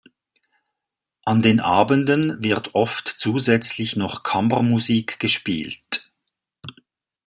An den Abenden wird oft zusätzlich noch Kammermusik gespielt.